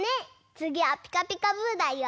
つぎは「ピカピカブ！」だよ！